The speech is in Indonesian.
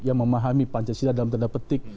yang memahami pancasila dalam tanda petik